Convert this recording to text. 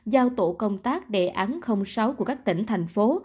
giao tổ công tác đề án sáu của các tỉnh thành phố